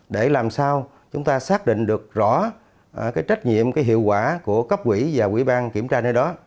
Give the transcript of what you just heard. để làm sao chúng ta xác định được rõ cái trách nhiệm cái hiệu quả của cấp quỷ và quỷ ban kiểm tra này đó